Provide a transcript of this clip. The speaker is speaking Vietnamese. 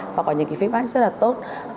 và có những cái feedback rất là tốt